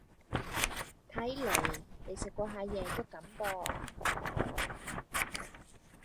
睇黎你食過下夜粥咁噃